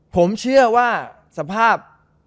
ผมเชื่อว่าสภาพ